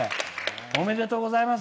おめでとうございます。